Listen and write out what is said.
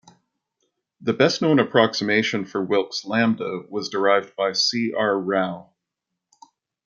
The best-known approximation for Wilks' lambda was derived by C. R. Rao.